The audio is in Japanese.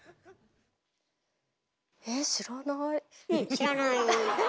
知らない⁉え？